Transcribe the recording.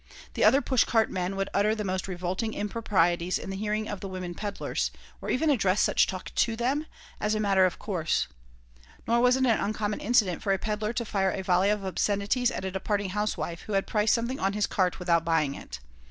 The other push cart men would utter the most revolting improprieties in the hearing of the women peddlers, or even address such talk to them, as a matter of course. Nor was it an uncommon incident for a peddler to fire a volley of obscenities at a departing housewife who had priced something on his cart without buying it.